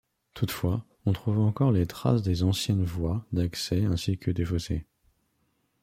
Toutefois, on trouve encore les traces des anciennes voies d'accès ainsi que des fossés.